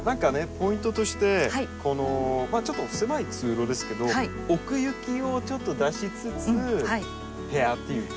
ポイントとしてちょっと狭い通路ですけど奥行きをちょっと出しつつペアっていうか。